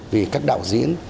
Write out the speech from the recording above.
vì các đạo diễn